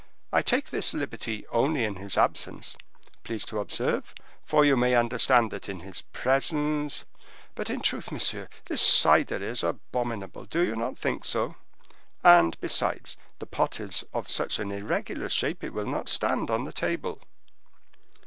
I take this liberty only in his absence, please to observe, for you may understand that in his presence—but, in truth, monsieur, this cider is abominable; do you not think so? And besides, the pot is of such an irregular shape it will not stand on the table."